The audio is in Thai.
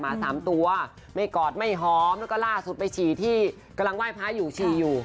สามตัวไม่กอดไม่หอมแล้วก็ล่าสุดไปฉี่ที่กำลังไหว้พระอยู่ฉี่อยู่